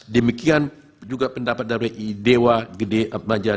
demikian pendapat dari dewa gede abmagah